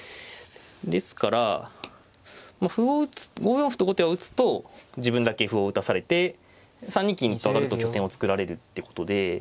ですから歩を打つ５四歩と後手は打つと自分だけ歩を打たされて３二金と上がると拠点を作られるってことで。